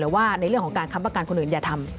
ว่าในเรื่องของการค้ำประกันคนอื่นอย่าทำ